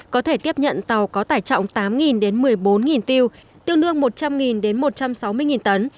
có thể tiếp nhận tàu có tải trọng tám đến một mươi bốn tiêu tương đương một trăm linh đến một trăm sáu mươi tấn